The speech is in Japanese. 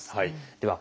では